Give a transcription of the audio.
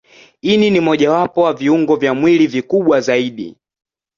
Ini ni mojawapo wa viungo vya mwili vikubwa zaidi.